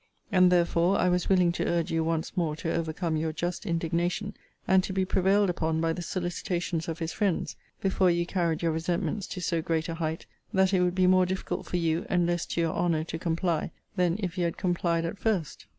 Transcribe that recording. And, therefore, I was willing to urge you once more to overcome your just indignation, and to be prevailed upon by the solicitations of his friends, before you carried your resentments to so great a height, that it would be more difficult for you, and less to your honour to comply, than if you had complied at first.